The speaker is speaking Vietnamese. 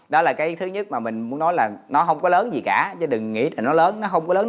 đó là cái thứ nhất mà mình muốn nói là nó không có lớn gì cả chứ đừng nghĩ thì nó lớn nó không có lớn